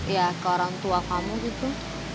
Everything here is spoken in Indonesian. ya ke orang tua kamu gitu